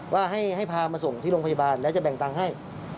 ว่าให้พามาส่งที่โรงพยาบาลแล้วจะแบ่งตังค์ให้